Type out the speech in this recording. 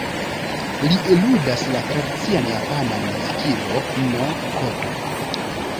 Li ludas la tradician japanan "muzikilo"n, "koto".